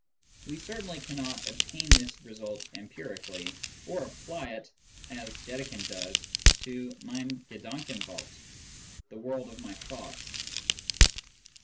We certainly cannot obtain this result empirically, or apply it, as Dedekind does, to " meine Gedankenwelt "— the world of my thoughts.